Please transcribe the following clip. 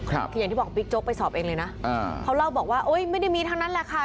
คืออย่างที่บอกบิ๊กโจ๊กไปสอบเองเลยนะอ่าเขาเล่าบอกว่าเอ้ยไม่ได้มีทั้งนั้นแหละค่ะ